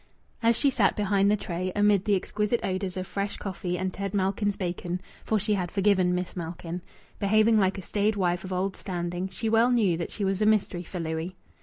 As she sat behind the tray, amid the exquisite odours of fresh coffee and Ted Malkin's bacon (for she had forgiven Miss Malkin), behaving like a staid wife of old standing, she well knew that she was a mystery for Louis.